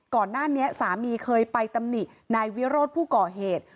ก่อนหน้านี้สามีเคยไปตำหนินายวิโรธผู้ก่อเหตุ